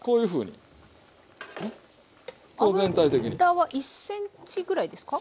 油は１ｃｍぐらいですか？